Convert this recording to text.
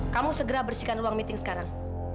kamu segera bersihkan ruang meeting sekarang